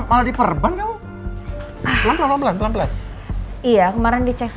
menurunkan untuk relaks dua